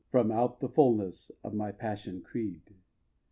From out the fullness of my passion creed.